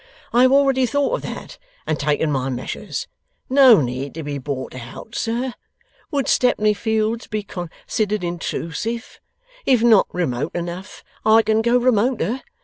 I have already thought of that, and taken my measures. No need to be bought out, sir. Would Stepney Fields be considered intrusive? If not remote enough, I can go remoter.